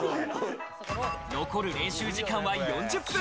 残る練習時間は４０分。